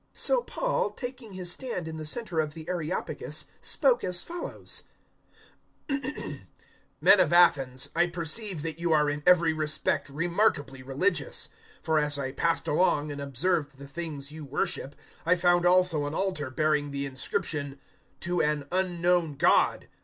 017:022 So Paul, taking his stand in the centre of the Areopagus, spoke as follows: "Men of Athens, I perceive that you are in every respect remarkably religious. 017:023 For as I passed along and observed the things you worship, I found also an altar bearing the inscription, `TO AN UNKNOWN GOD.'